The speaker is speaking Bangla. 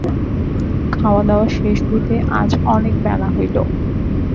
খাওয়াদাওয়া শেষ হইতে আজ অনেক বেলা হইল।